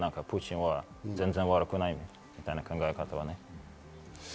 プーチンは全然、悪くないみたいな考え方ね。